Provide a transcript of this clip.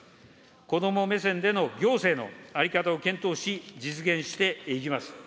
子ども目線での行政の在り方を検討し、実現していきます。